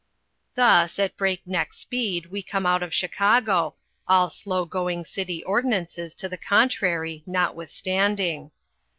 Thus, at break neck speed, we come out of Chicago, all slow going city ordinances to the contrary notwithstanding.